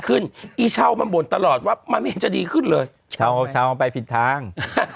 ขึ้นอีเช่ามันบอกตลอดรับมันจะดีขึ้นเลยเช่ามาไปปิดทาง